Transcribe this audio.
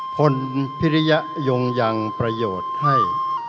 พลพิริยยงยังประโยชน์ให้